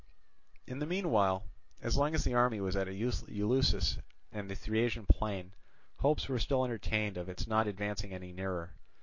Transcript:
In the meanwhile, as long as the army was at Eleusis and the Thriasian plain, hopes were still entertained of its not advancing any nearer.